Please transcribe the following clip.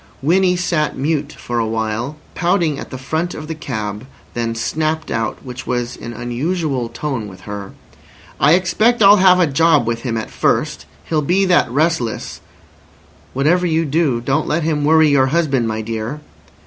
Winnie sat mute for a while, pouting at the front of the cab, then snapped out, which was an unusual tone with her: "I expect I'll have a job with him at first, he'll be that restless—" "Whatever you do, don't let him worry your husband, my dear."